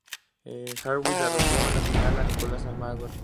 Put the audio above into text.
Jerzy Janowicz derrotó en la final a Nicolás Almagro.